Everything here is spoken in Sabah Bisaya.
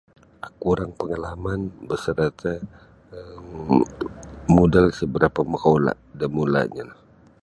Aku orang pangalaman basadakah um modal sa berapa maka ula da mulanyo